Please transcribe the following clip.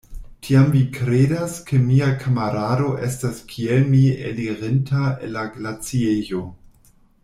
Tiam vi kredas, ke mia kamarado estas kiel mi elirinta el la glaciejo?